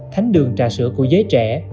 thánh đường trà sữa của giới trẻ